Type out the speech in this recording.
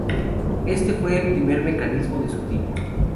Este fue el primer mecanismo de su tipo.